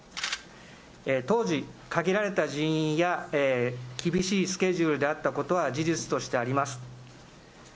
当時、限られた人員や厳しいスケジュールであったことは事実としてあります。